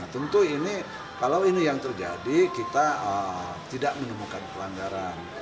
tentu ini kalau ini yang terjadi kita tidak menemukan pelanggaran